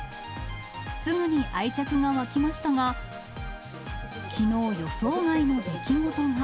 すぐに愛着が湧きましたが、きのう、予想外の出来事が。